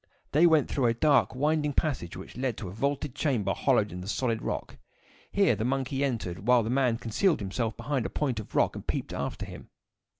They went through a dark, winding passage, which led to a vaulted chamber hollowed in the solid rock. Here the monkey entered, while the man concealed himself behind a point of rock and peeped after him.